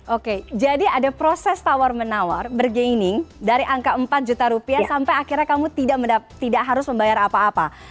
oke jadi ada proses tawar menawar bergaining dari angka empat juta rupiah sampai akhirnya kamu tidak harus membayar apa apa